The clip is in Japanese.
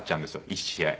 １試合。